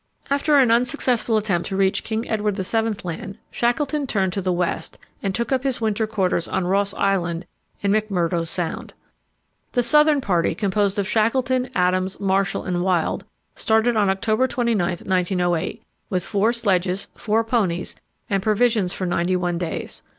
After an unsuccessful attempt to reach King Edward VII. Land, Shackleton turned to the west and took up his winter quarters on Ross Island in McMurdo Sound. The southern party, composed of Shackleton, Adams, Marshall, and Wild, started on October 29, 1908, with four sledges, four ponies, and provisions for ninety one days.